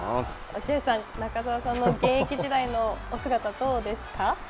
落合さん、中澤さんの現役時代のお姿、いかがですか。